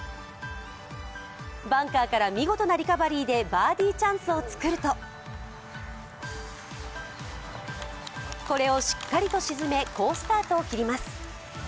バンカーから見事なリカバリーでバーディーチャンスを作るとこれをしっかりと沈め好スタートを切ります。